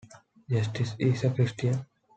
Justice is a Christian.